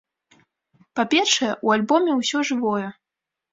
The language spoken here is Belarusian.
Па-першае, у альбоме ўсё жывое.